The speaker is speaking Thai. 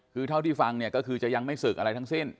คือเท่าที่ฟังเนี่ยก็คือจะยังไม่ศึกอะไรทั้งสิ้น